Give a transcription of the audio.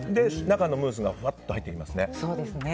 中のムースがふわっと入ってきますね。